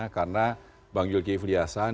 karena bang yulki viliasan